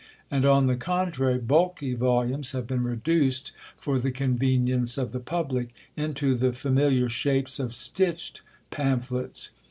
and, on the contrary, bulky volumes have been reduced, for the convenience of the public, into the familiar shapes of stitched pamphlets.